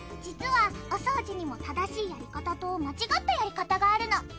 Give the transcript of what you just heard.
実はお掃除にも正しいやり方と間違ったやり方があるの。